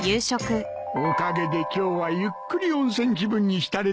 おかげで今日はゆっくり温泉気分に浸れたよ。